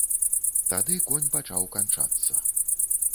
Тады конь пачаў канчацца.